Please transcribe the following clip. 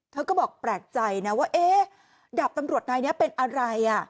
เธอก็บอกแปลกใจนะว่าเอ๊ะดาบตำรวจนายนี้เป็นอะไร